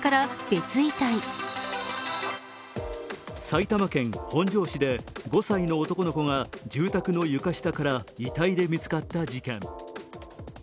埼玉県本庄市で５歳の男の子が住宅の床下から遺体で見つかった事件。